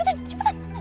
cepetan ikutin cepetan